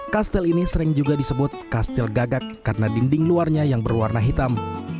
kastil ini sering juga disebut kastil gagak karena dinding luarnya yang berwarna hitam